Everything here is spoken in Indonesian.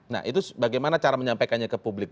nah itu bagaimana cara menyampaikannya ke publik